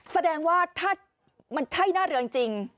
แสดงว่าถ้ามันใช่หน้าเรือจริง